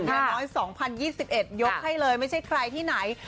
น้อย๒๐๒๑ยกให้เลยไม่ใช่ใครที่ไหน